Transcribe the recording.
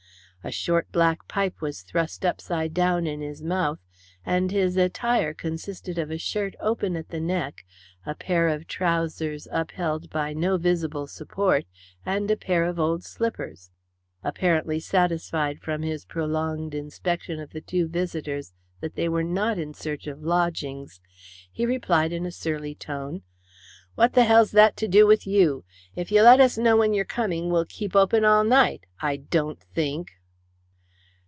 A short black pipe was thrust upside down in his mouth, and his attire consisted of a shirt open at the neck, a pair of trousers upheld by no visible support, and a pair of old slippers. Apparently satisfied from his prolonged inspection of the two visitors that they were not in search of lodgings, he replied in a surly tone: "What the hell's that to do with you? If you let us know when you're coming we'll keep open all night I don't think."